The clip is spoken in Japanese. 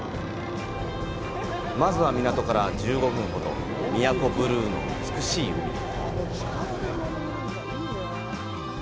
まずは、港から１５分ほど、宮古ブルーの美しい海へ。